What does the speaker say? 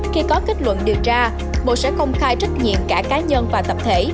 khi có kết luận điều tra bộ sẽ công khai trách nhiệm cả cá nhân và tập thể